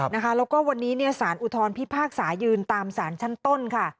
แล้วก็วันนี้สารอุทธรพิพากษายืนตามสารชั้นต้นค่ะ